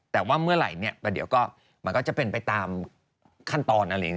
แต่ว่าเมื่อไหร่มันก็จะเป็นไปตามขั้นตอน